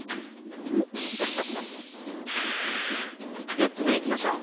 ４つ目いきましょう。